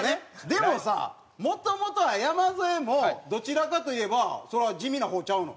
でもさ元々は山添もどちらかといえばそれは地味な方ちゃうの？